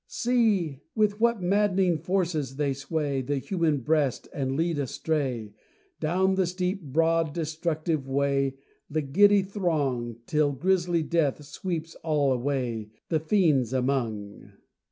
See! with what madd'ning force they sway The human breast and lead astray, Down the steep, broad, destructive way, The giddy throng; Till grisly death sweeps all away The fiends among!